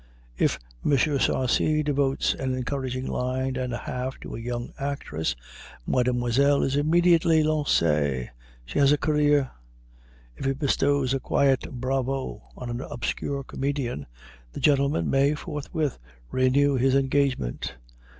If M. Sarcey devotes an encouraging line and a half to a young actress, mademoiselle is immediately lancée; she has a career. If he bestows a quiet "bravo" on an obscure comedian, the gentleman may forthwith renew his engagement.